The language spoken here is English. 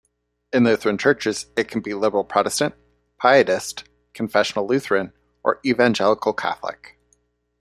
In Lutheran churches it can be liberal Protestant, pietist, confessional Lutheran, or evangelical Catholic.